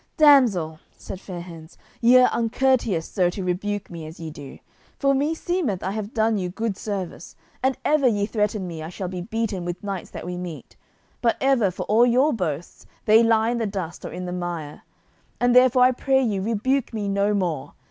"Damsel," said Fair hands, "ye are uncourteous so to rebuke me as ye do, for me seemeth I have done you good service, and ever ye threaten me I shall be beaten with knights that we meet; but ever for all your boasts they lie in the dust or in the mire, and therefore I pray you rebuke me no more.